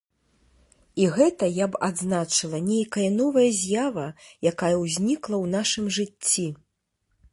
І гэта, я б адзначыла, нейкая новая з'ява, якая ўзнікла ў нашым жыцці.